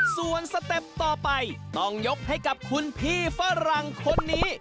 ส่วนสเต็ปต่อไปต้องยกให้กับคุณพี่ฝรั่งคนนี้